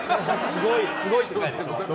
すごい世界でしょ。